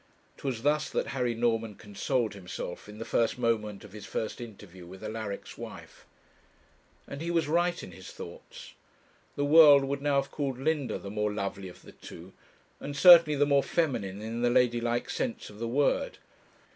'Twas thus that Harry Norman consoled himself in the first moment of his first interview with Alaric's wife. And he was right in his thoughts. The world would now have called Linda the more lovely of the two, and certainly the more feminine in the ladylike sense of the word.